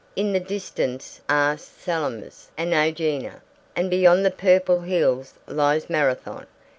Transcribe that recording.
In the distance are Salamis and AEgina, and beyond the purple hills lies Marathon.